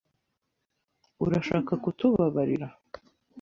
Urashaka kutubabarira?